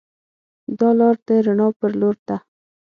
دا لار د رڼا پر لور ده.